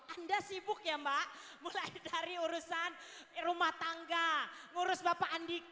anda sibuk ya mbak mulai dari urusan rumah tangga ngurus bapak andika